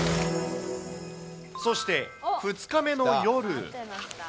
そして、２日目の夜。